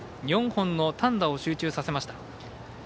４本の単打を集中させました。